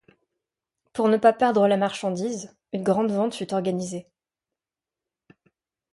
Pour ne pas perdre la marchandise, une grande vente fut organisée.